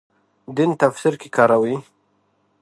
دین تفسیر کې کاروي.